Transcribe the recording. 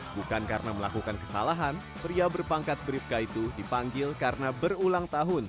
bukan karena melakukan kesalahan pria berpangkat berifka itu dipanggil karena berulang tahun